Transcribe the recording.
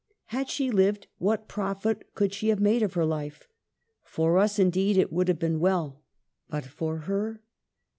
Had she lived, what profit could she have made of her life ? For us, indeed, it would have been well ; but for her